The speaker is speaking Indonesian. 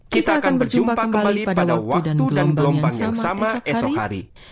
kita akan berjumpa besok hari